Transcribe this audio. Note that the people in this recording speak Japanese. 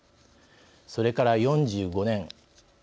それから４５年。